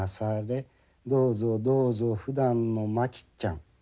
どうぞどうぞふだんの牧ちゃん」。